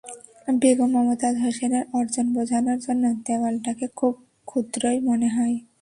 বেগম মমতাজ হোসেনের অর্জন বোঝানোর জন্য দেয়ালটাকে খুব ক্ষুদ্রই মনে হয়।